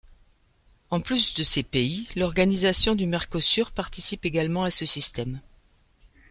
En plus de ces pays, l'organisation du Mercosur participe également à ce système.